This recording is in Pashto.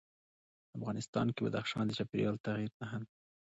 افغانستان کې بدخشان د چاپېریال د تغیر نښه ده.